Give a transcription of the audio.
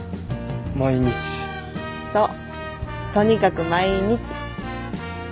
そうとにかく毎日。